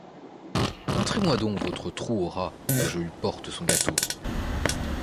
Montrez-moi donc votre Trou aux Rats, que je lui porte son gâteau.